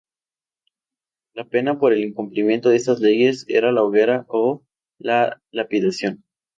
La pena por el incumplimiento de estas leyes era la hoguera o la lapidación.